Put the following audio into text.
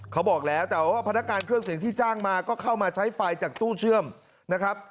เขาบอกแล้วแต่ว่าพนักงานเครื่องเสียงที่จ้างมาก็เข้ามาใช้ไฟจากตู้เชื่อมนะครับ